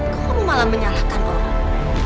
kamu malah menyalahkan orang